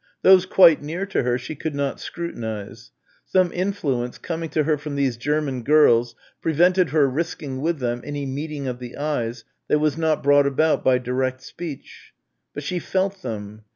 Those quite near to her she could not scrutinise. Some influence coming to her from these German girls prevented her risking with them any meeting of the eyes that was not brought about by direct speech. But she felt them.